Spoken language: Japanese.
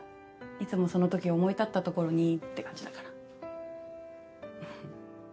いつもその時思い立った所にって感じだから。